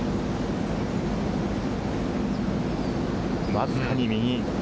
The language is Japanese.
わずかに右。